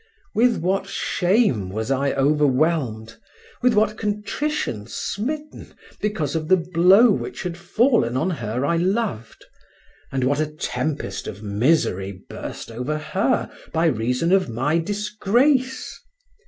With what shame was I overwhelmed, with what contrition smitten because of the blow which had fallen on her I loved, and what a tempest of misery burst over her by reason of my disgrace!